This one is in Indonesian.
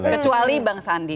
kecuali bang sandi